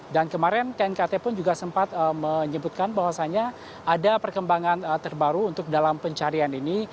dan kemarin knkt pun juga sempat menyebutkan bahwasannya ada perkembangan terbaru untuk dalam pencarian ini